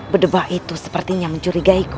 bedebak itu sepertinya mencurigaiku